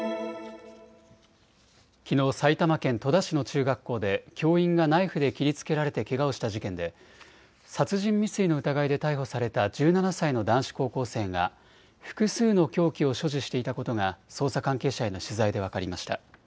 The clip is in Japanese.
きのう埼玉県戸田市の中学校で教員がナイフで切りつけられてけがをした事件で殺人未遂の疑いで逮捕された１７歳の男子高校生が複数の凶器を所持していたことが捜査関係者への取材で分かりました。